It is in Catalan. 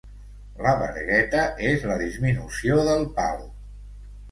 La vergueta és la disminució del pal.